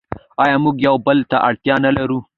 آیا موږ یو بل ته اړتیا نلرو؟